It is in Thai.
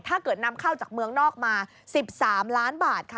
ถ้าเกิดนำเข้าจากเมืองนอกมา๑๓ล้านบาทค่ะ